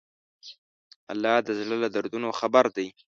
الله د زړه له دردونو خبر دی.